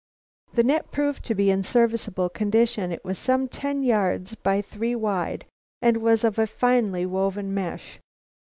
The net proved to be in serviceable condition. It was some ten yards by three wide and was of a finely woven mesh.